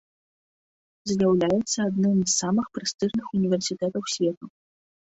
З'яўляецца адным з самых прэстыжных універсітэтаў свету.